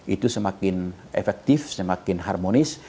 itu semakin efektif semakin harmonis